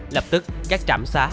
lập tức các trạm xá